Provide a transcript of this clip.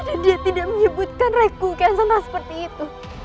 dan dia tidak menyebutkan rai kukia yang senang seperti itu